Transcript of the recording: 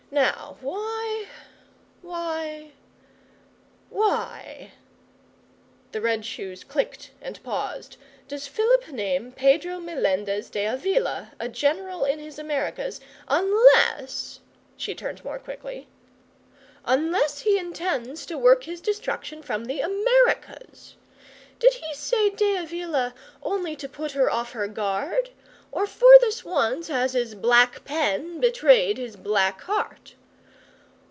Now why why why' the red shoes clicked and paused 'does Philip name Pedro Melendez de Avila, a general in his Americas, unless' she turned more quickly unless he intends to work his destruction from the Americas? Did he say De Avila only to put her off her guard, or for this once has his black pen betrayed his black heart?